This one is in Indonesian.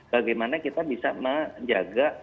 bagaimana kita bisa menjaga